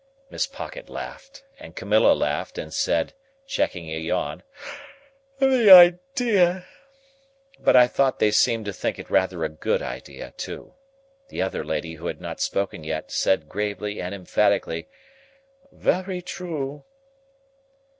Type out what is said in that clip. Miss Pocket laughed, and Camilla laughed and said (checking a yawn), "The idea!" But I thought they seemed to think it rather a good idea too. The other lady, who had not spoken yet, said gravely and emphatically, "Very true!"